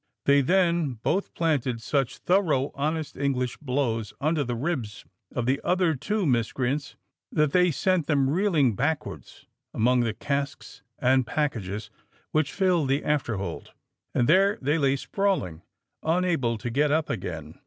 They then both planted such thorough honest English blows under the ribs of the other two miscreants, that they sent them reeling backwards among the casks and packages which filled the after hold, and there they lay sprawling, unable to get up again.